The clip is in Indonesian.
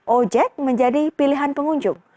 ojek menjadi pilihan pengunjung